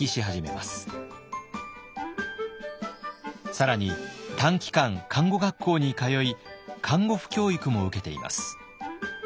更に短期間看護学校に通い看護婦教育も受けています。